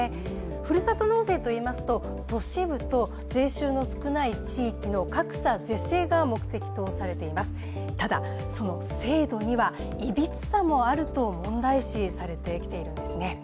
ふるさと納税といいますと都市部と税収の少ない地域の格差是正が目的とされています、ただ、その制度にはいびつさもあると問題視されてきているんですね。